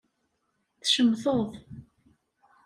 Tcemteḍ